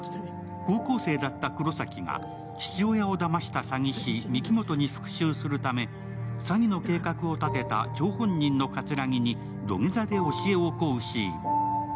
高校生だった黒崎が父親をだました詐欺師・御木本に復しゅうするため詐欺の計画を立てた張本人の桂木に土下座で教えを請うシーン。